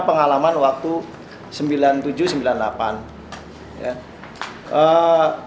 pengalaman waktu sembilan puluh tujuh sembilan puluh delapan ya